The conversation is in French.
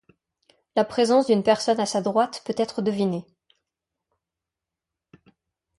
La présence d'une personne à sa droite peut être devinée.